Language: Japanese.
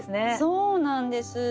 そうなんです。